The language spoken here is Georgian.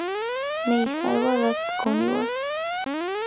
მე ის არ ვარ რაც გონივარ